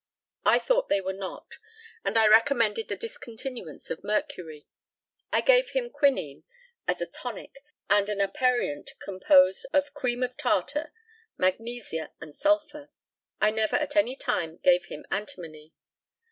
I thought they were not, and I recommended the discontinuance of mercury. I gave him quinine as a tonic, and an aperient composed of cream of tartar, magnesia, and sulphur. I never at any time gave him antimony.